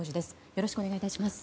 よろしくお願いします。